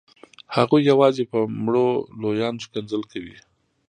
هغوی یوازې په مړو لویان ښکنځل کوي.